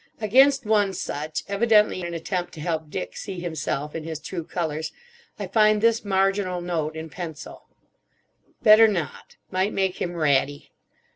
Against one such, evidently an attempt to help Dick see himself in his true colours, I find this marginal, note in pencil: "Better not. Might make him ratty."